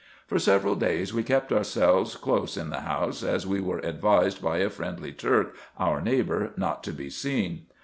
For several days we kept ourselves close in the house, as we were advised by a friendly Turk, our neighbour, not to be seen.